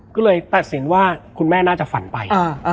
ก็เลยตัดสินว่าคุณแม่น่าจะฝันไป